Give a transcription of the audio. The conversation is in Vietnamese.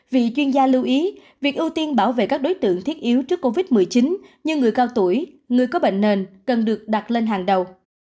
vì chuyên gia lưu ý việc ưu tiên bảo vệ các đối tượng thiết yếu trước covid một mươi chín như người cao tuổi người có bệnh nền cần được đặt lên hàng đầu